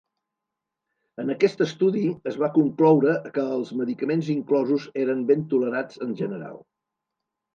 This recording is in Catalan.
En aquest estudi es va concloure que els medicaments inclosos eren ben tolerats en general.